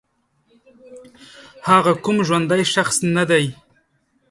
هغه کوم ژوندی شخص نه دی